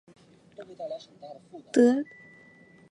雷德菲尔德是一个位于美国阿肯色州杰佛逊县的城市。